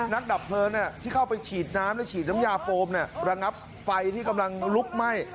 ดับเพลิงที่เข้าไปฉีดน้ำและฉีดน้ำยาโฟมระงับไฟที่กำลังลุกไหม้